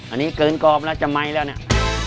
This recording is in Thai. อันนี้เกินกรอบแล้วจะไหมแล้วเนี่ย